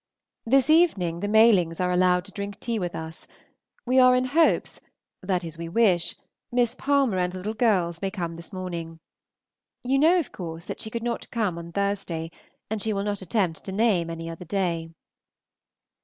This evening the Malings are allowed to drink tea with us. We are in hopes that is, we wish Miss Palmer and the little girls may come this morning. You know, of course, that she could not come on Thursday, and she will not attempt to name any other day.